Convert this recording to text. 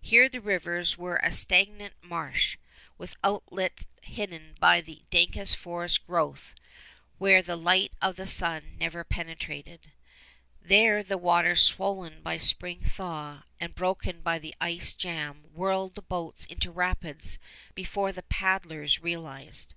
Here the rivers were a stagnant marsh, with outlet hidden by dankest forest growth where the light of the sun never penetrated. There the waters swollen by spring thaw and broken by the ice jam whirled the boats into rapids before the paddlers realized.